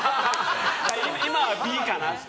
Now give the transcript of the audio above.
今はＢかな。